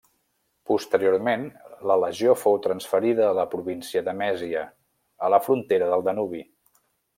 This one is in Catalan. Posteriorment la legió fou transferida a la província de Mèsia, a la frontera del Danubi.